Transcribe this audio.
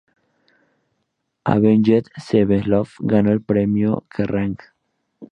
Avenged Sevenfold ganó el premio Kerrang!